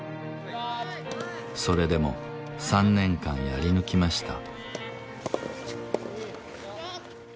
それでも３年間やり抜きました。